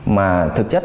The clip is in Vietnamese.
mà thực chất